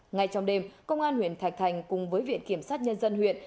ngay trong đêm công an huyện thạch thành cùng với viện kiểm sát nhân dân huyện